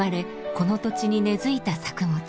この土地に根づいた作物。